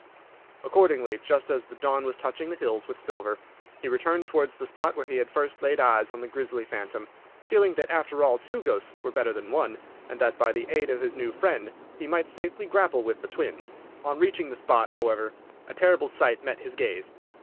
Accordingly, just as the dawn was touching the hills with silver, he returned towards the spot where he had first laid eyes on the grisly phantom, feeling that, after all, two ghosts were better than one, and that, by the aid of his new friend, he might safely grapple with the twins. On reaching the spot, however, a terrible sight met his gaze.